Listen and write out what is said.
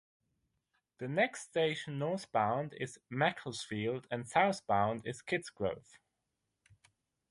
The next station northbound is Macclesfield and southbound is Kidsgrove.